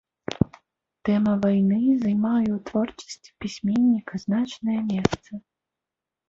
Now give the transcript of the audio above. Тэма вайны займае ў творчасці пісьменніка значнае месца.